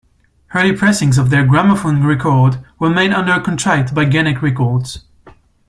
Early pressings of their gramophone record were made under contract by Gennett Records.